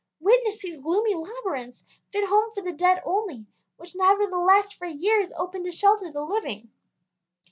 Witness these gloomy labyrinths, fit home for the dead only, which nevertheless for years opened to shelter the living.